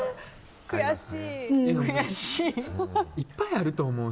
いっぱいあると思う。